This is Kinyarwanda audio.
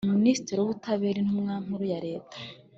Minisitiri w Ubutabera Intumwa Nkuru ya leta